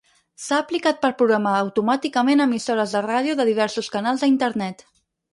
S'ha aplicat per programar automàticament emissores de ràdio de diversos canals a Internet.